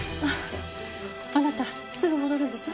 あなたすぐ戻るんでしょ？